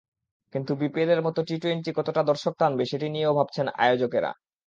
কিন্তু বিপিএলের মতো টি-টোয়েন্টি কতটা দর্শক টানবে, সেটি নিয়ে ভাবছেন আয়োজকেরাও।